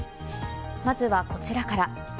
まずはこちらから。